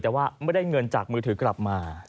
แต่ว่าไม่ได้เงินจากมือถือกลับมา